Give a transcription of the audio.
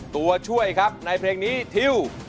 ตัวช่วยครับในเพลงนี้ทิว